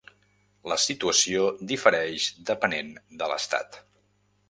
La situació difereix depenent de l'estat.